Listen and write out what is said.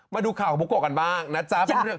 มาดูข่าวของปุ่งนะครับ